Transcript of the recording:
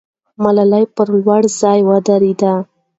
ملالۍ پر لوړ ځای ودرېده.